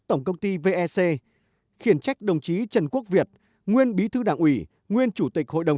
tổng công ty vec khiển trách đồng chí trần quốc việt nguyên bí thư đảng ủy nguyên chủ tịch hội đồng